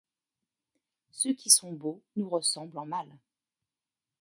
Ceux qui sont beaux nous ressemblent en mal.